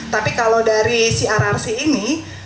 tapi kalau dari crrc ini